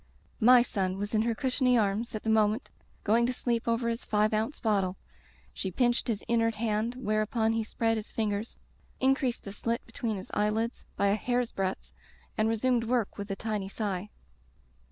My son was in her cushiony arms at the moment going to sleep over his five ounce bottle. She pinched his inert hand, whereupon he spread his fingers, increased the slit between his eye lids by a hair's breadth, and resumed work with a tiny sigh.